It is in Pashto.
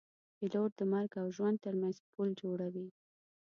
پیلوټ د مرګ او ژوند ترمنځ پل جوړوي.